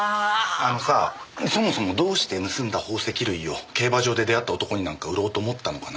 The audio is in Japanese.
あのさそもそもどうして盗んだ宝石類を競馬場で出会った男になんか売ろうと思ったのかな？